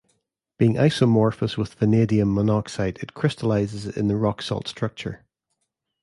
Being isomorphous with vanadium monoxide, it crystallizes in the rock salt structure.